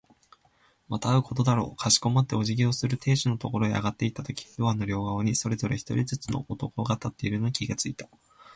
また会うことだろう。かしこまってお辞儀をする亭主のところへ上がっていったとき、ドアの両側にそれぞれ一人ずつの男が立っているのに気づいた。